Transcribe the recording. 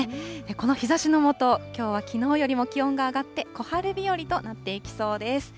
この日ざしの下、きょうはきのうよりも気温が上がって、小春日和となっていきそうです。